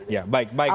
ya baik pak menteri